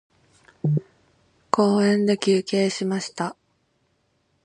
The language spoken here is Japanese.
公園で休憩しました。